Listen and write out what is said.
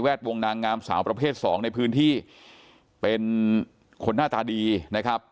วงนางงามสาวประเภทสองในพื้นที่เป็นคนหน้าตาดีนะครับ